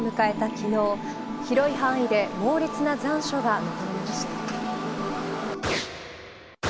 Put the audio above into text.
昨日広い範囲で猛烈な残暑が戻りました。